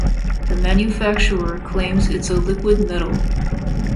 The manufacturer claims it's a "liquid metal".